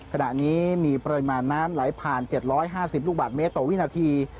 ขณะนี้มีปริมาณน้ำไหลผ่าน๗๕๐ลูกบาทเมตรต่อวินาที